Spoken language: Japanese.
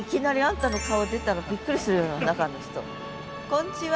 こんちは。